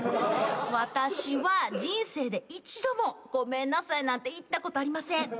私は人生で一度も「ごめんなさい」なんて言ったことありません。